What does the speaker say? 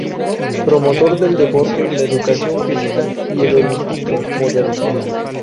Promotor del deporte, la educación física, y el olimpismo moderno.